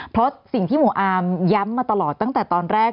เพราะสิ่งที่หมู่อาร์มย้ำมาตลอดตั้งแต่ตอนแรก